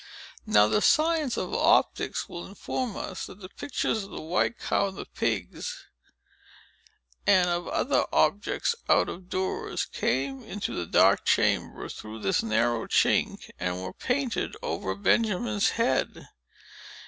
Now the science of optics will inform us, that the pictures of the white cow and the pigs, and of other objects out of doors, came into the dark chamber, through this narrow chink, and were painted over Benjamin's head.